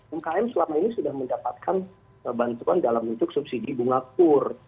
umkm selama ini sudah mendapatkan bantuan dalam bentuk subsidi bunga kur